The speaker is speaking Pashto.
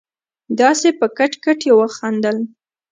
داسې په کټ کټ يې وخندل.